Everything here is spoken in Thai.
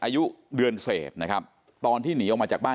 คือสิ่งที่เราติดตามคือสิ่งที่เราติดตาม